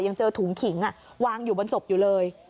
ยังเจอถุงขิงวางอยู่บนศพอยู่เลย